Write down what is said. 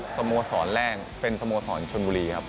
สโมสรแรกเป็นสโมสรชนบุรีครับ